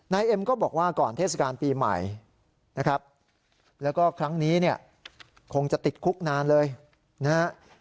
เอ็มก็บอกว่าก่อนเทศกาลปีใหม่นะครับแล้วก็ครั้งนี้เนี่ยคงจะติดคุกนานเลยนะครับ